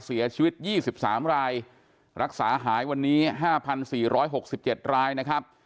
เสียชีวิต๒๓รายรักษาหายวันนี้๕๔๖๗รายนะครับ